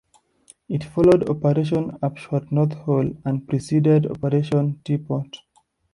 It followed "Operation Upshot-Knothole" and preceded "Operation Teapot".